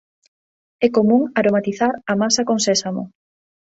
É común aromatizar a masa con sésamo.